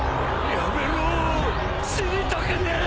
やめろ死にたくねえ。